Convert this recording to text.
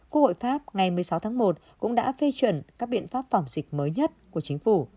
quốc hội pháp ngày một mươi sáu tháng một cũng đã phê chuẩn các biện pháp phòng dịch mới nhất của chính phủ